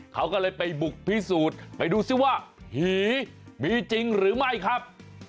เขาก็เลยไปบุกพิสูจน์ไปดูซิว่าผีมีจริงหรือไม่ครับ